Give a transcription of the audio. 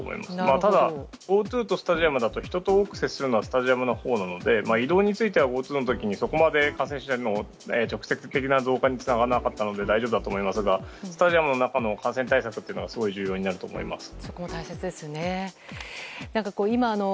ただＧｏＴｏとスタジアムなら人と多く接するのはスタジアムのほうなので移動についてはＧｏＴｏの時にそこまで感染者の直接的な増加につながらなかったので大丈夫だと思いますがスタジアムの中の感染対策がすごく重要になると思います。